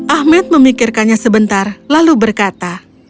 ahmed memikirkannya sebentar lalu berkata